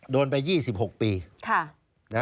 โดนไปยี่สิบหกปีค่ะ